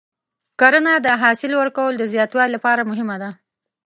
کرنه د حاصل ورکولو د زیاتوالي لپاره مهمه ده.